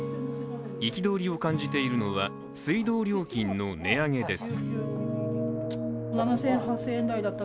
憤りを感じているのは、水道料金の値上げです。